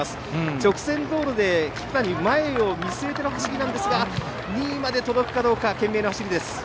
直線道路で聞谷、前を見据えての走りなんですが２位まで届くかどうか、懸命な走りです。